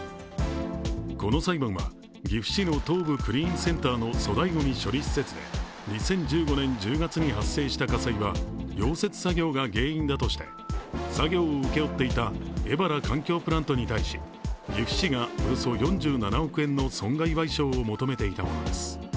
この裁判は岐阜市の東部クリーンセンターの粗大ごみ処理施設で２０１５年１０月に発生した火災は溶接作業が原因だとして作業を請け負っていた荏原環境プラントに対し、岐阜市がおよそ４７億円の損害賠償を求めていたものです。